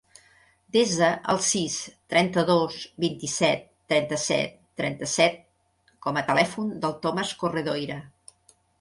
Desa el sis, trenta-dos, vint-i-set, trenta-set, trenta-set com a telèfon del Thomas Corredoira.